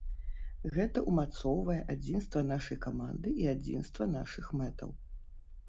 Гэта умацоўвае адзінства нашай каманды і адзінства нашых мэтаў.